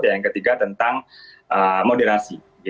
yang ketiga tentang moderasi